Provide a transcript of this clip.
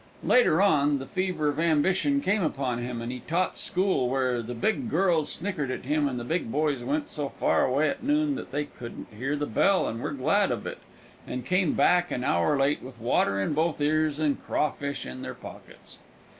Later on, the fever of ambition came upon him, and he taught school where the big girls snickered at him and the big boys went so far away at noon that they couldn't hear the bell and were glad of it, and came back an hour late with water in both ears and crawfish in their pockets.